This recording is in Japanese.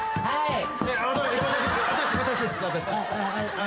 はい。